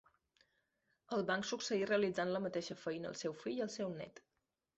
El van succeir realitzant la mateixa feina el seu fill i el seu nét.